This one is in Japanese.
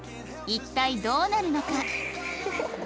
一体どうなるのか？